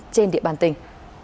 trên địa bàn tỉnh